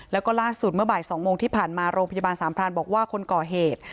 แล้วก็ล่าสุดเมื่อบ่าย๒โมงที่ผ่านมาโรงพยาบาลสามพรานบอกว่าคนก่อเหตุ